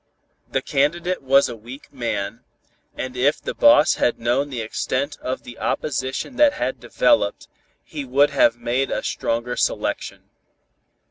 The candidate was a weak man, and if the boss had known the extent of the opposition that had developed, he would have made a stronger selection.